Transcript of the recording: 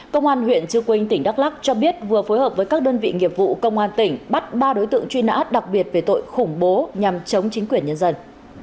công an huyện chư quynh tỉnh đắk lắc cho biết vừa phối hợp với các đơn vị nghiệp vụ công an tỉnh bắt ba đối tượng truy nã đặc biệt về tội khủng bố nhằm chống chính quyền nhân dân